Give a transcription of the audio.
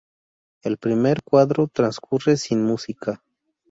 El primer cuadro transcurre sin música.